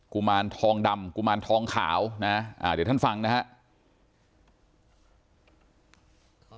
กุมารทองดำกุมารทองขาวนะเดี๋ยวท่านฟังนะครับ